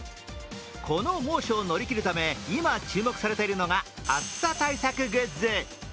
この猛暑を乗り切るため今、注目されているのが暑さ対策グッズ。